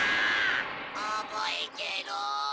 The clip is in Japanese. おぼえてろ！